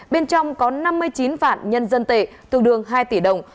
bên trong có năm mươi chín vạn nhân dân tệ tương đương hai tỷ đồng